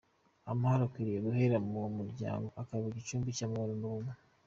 Amahoro akwiriye guhera mu muryango ukaba igicumbi cy’amahoro n’ubumwe.